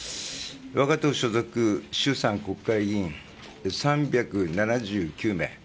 我が党所属、衆参国会議員３７９名。